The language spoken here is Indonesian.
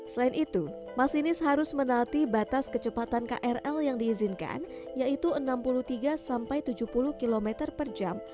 selain itu masinis harus menaati batas kecepatan krl yang diizinkan yaitu enam puluh tiga sampai tujuh puluh km per jam